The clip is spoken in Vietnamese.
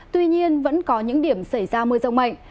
tuy nhiên vẫn có những điểm xảy ra mưa rông mạnh